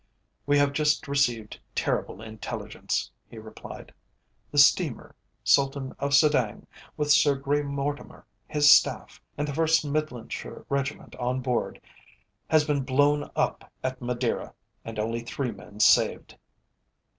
"We have just received terrible intelligence," he replied. "The steamer, Sultan of Sedang, with Sir Grey Mortimer, his staff, and the first Midlandshire Regiment on board, has been blown up at Madeira, and only three men saved."